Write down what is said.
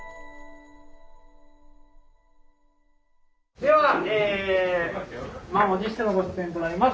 ではえ満を持してのご出演となります。